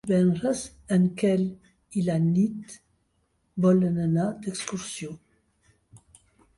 Divendres en Quel i na Nit volen anar d'excursió.